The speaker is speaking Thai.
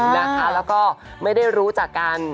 แล้วก็ไม่ได้รู้จักกัน